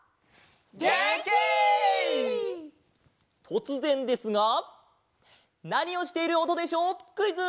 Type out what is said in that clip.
とつぜんですがなにをしているおとでしょうクイズ！